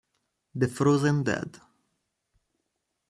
The Frozen Dead